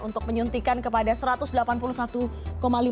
untuk menyuntikan kepada seluruh